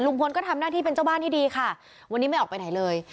ก็ทำหน้าที่เป็นเจ้าบ้านที่ดีค่ะวันนี้ไม่ออกไปไหนเลย